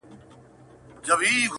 • هغه بله یې مرګی له خدایه غواړي -